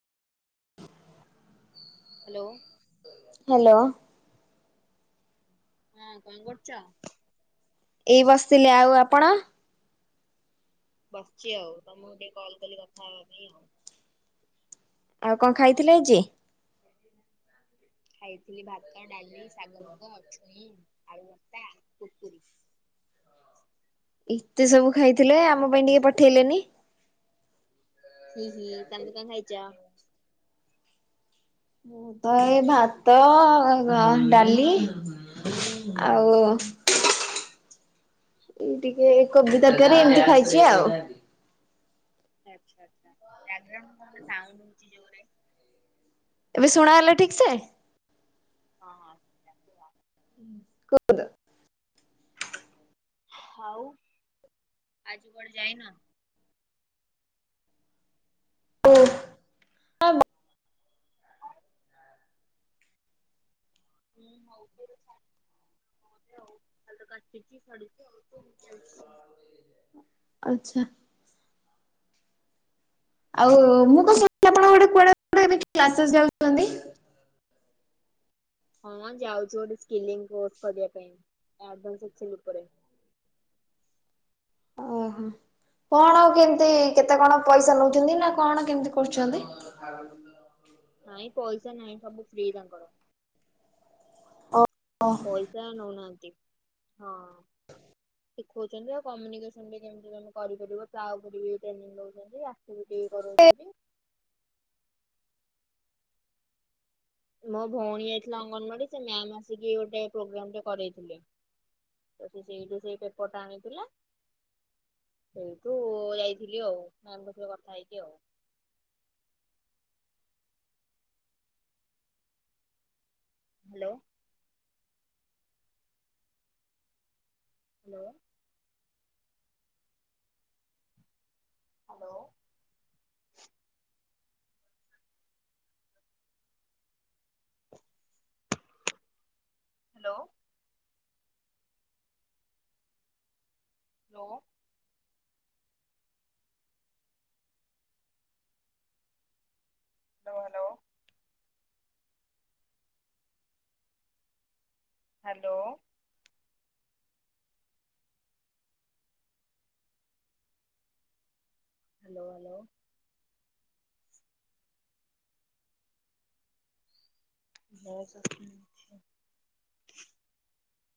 Hello. Hello. ହଁ କଣ କରୁଚ? ଏଇ ବସିଥିଲି ଆଉ ଆପଣ? ବସିଛି ଆଉ ତମକୁ ଟିକେ କଲ୍ କଲି କଥା ହବା ପାଇଁ ଆଉ। ଆଉ କଣ ଖାଇଥିଲେ ଆଜି? ଖାଇଥିଲି ଭାତ ଡାଲି ଶାଗ ମୁଗ ଛୁଇଁ ଆଳୁଭତା କୁରୁକୁରୀ। ଏତେ ସବୁ ଖାଇଥିଲେ ଆମ ପାଇଁ ଟିକେ ପଠେଇଲେନି? ହିଁ ହିଁ ତମେ କଣ ଖାଇଚ? ମୁତ ଏଇ ଭାତ ଡ଼ାଲି ହୁଁ ଆଉ ଏଇ ଟିକେ କୋବି ତରକାର ଏମତି ଖାଇଚି ଆଉ। ଆଚ୍ଛା ଆଚ୍ଛା ଗାଡିରେ ଆପଣଙ୍କ କଣ ଗୋଟେ ସାଉଣ୍ଡ ହୋଉଚି ଜୋରେ? ଏବେ ଶୁଣାଗଲା ଠିକ୍ ସେ? ହଁ ହଁ। ସେଇଟା କୁହ। କୁହନ୍ତୁ। ଆଉ ଆଜି କୁଆଡେ ଯାଇନ? ଉ ହୁଁ ହୋଉ [unintelligible] ଛାଡ ହୋଉଚି ଆଉ ଖାଲି ତ କାଚୁଚି ଛାଡୁଚି ହୋଉଚି ଚାଲିଚି। ଆଚ୍ଛା। ଆଉ ହୁଁ ମୁଁ କଣ ଶୁଣିଥିଲି ଆପଣ ଗୋଟେ କୁଆଡେ ଗୋଟେ ଏମି କ୍ଲାସେସ ଯାଉଚନ୍ତି। ହଁ ଯାଉଚି ଗୋଟେ ସ୍କିଲ ଇମ୍ପ୍ରୁଭ୍ କରିବା ପାଇଁ ଆଡଭାନ୍ସ ଏକ୍ସେଲ୍ ଉପରେ। ଓହୋ କଣ କେମିତି କେତେ କଣ ପଇସା ନୋଉଛନ୍ତି ନା କଣ କେମିତି କରୁଚନ୍ତି? ନାଇଁ ପଇସା ନାହିଁ ସବୁ ଫ୍ରି ତାଙ୍କର। ଓ ପଇସା ନୋଉନାହାନ୍ତି ହଁ। ଶିଖୋଉଚନ୍ତି ଆଉ କମ୍ୟୁନିକେସନ ବି କେମିତି ତମେ କରିପାରିବ ତା ଉପରେ ବି ଟ୍ରେନିଂ ନୋଉଚନ୍ତି ଆକ୍ଟିଭିଟି କରୋଉଚନ୍ତି। ମୋ ଭୋଉଣୀ ଯାଇଥିଲା ଅଙ୍ଗନବାଡି ସେ ମ୍ୟାମ ଆସିକି ଗୋଟେ ପ୍ରୋଗ୍ରାମଟେ କରେଇଥିଲେ। ତ ସିଏ ସେଇଠୁ ସେଇ ପେପରଟା ଆଣିଥିଲା ସେଇଠୁ ଯାଇଥିଲି ଆଉ ମାଆଙ୍କ କଥା ହେଇକି ଆଉ। Hello. Hello. Hello. Hello. Hello. Hello hello. Hello. Hello hello. Voice ଆସୁନି